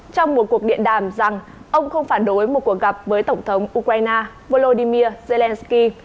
trong một cuộc điện đàm rằng ông không phản đối một cuộc gặp với tổng thống ukraine volodymyr zelensky